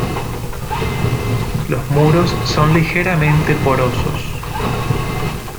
Los muros son ligeramente porosos.